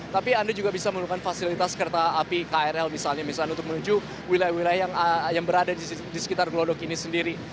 tapi anda juga bisa menggunakan fasilitas kereta api krl misalnya untuk menuju wilayah wilayah yang berada di sekitar glodok ini sendiri